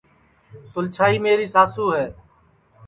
تُلچھائی میری ساسُو ہے